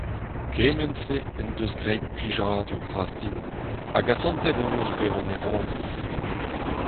Kement-se en deus graet plijadur vras din hag asantet em eus bezañ maeronez.